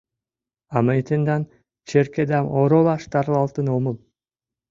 — А мый тендан черкыдам оролаш тарлалтын омыл.